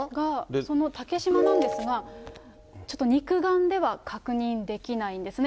その竹島なんですが、ちょっと肉眼では確認できないんですね。